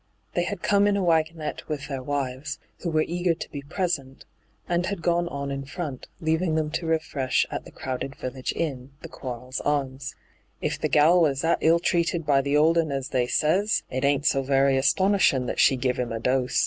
They had come in a wagonette with their wives, who were eager to be present, and had gone on in front, leaving them to refresh at the crowded village inn, the Quarles Arms. ' If the gal was that ill treated by the old un as they says, it ain't so very astonishin' that she giv 'im a dose.